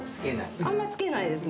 あんまつけないですね。